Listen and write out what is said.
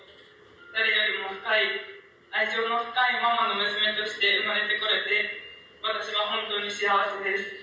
誰よりも愛情の深いママの娘として生まれてこれて私は本当に幸せです。